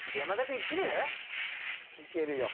行けるよ。